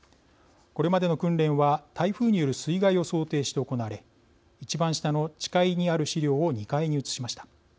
これまでの訓練は台風による水害を想定して行われ一番下の地階にある資料を２階に移しました。